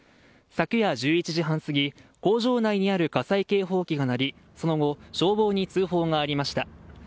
昨夜１１時半すぎ工場内にある火災警報器が鳴りその後、消防に通報がありました。